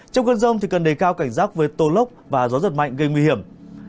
trong con rông thì cần đầy cao cảnh giác với tố lốc và gió giật mạnh gây nguy hiểm